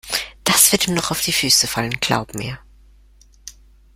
Das wird ihm noch auf die Füße fallen, glaub mir!